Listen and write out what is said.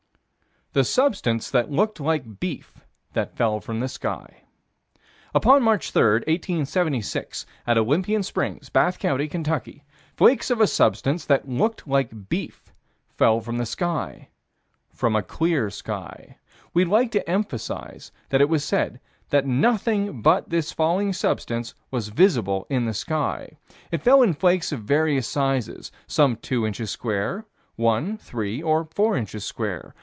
The substance that looked like beef that fell from the sky. Upon March 3, 1876, at Olympian Springs, Bath County, Kentucky, flakes of a substance that looked like beef fell from the sky "from a clear sky." We'd like to emphasize that it was said that nothing but this falling substance was visible in the sky. It fell in flakes of various sizes; some two inches square, one, three or four inches square.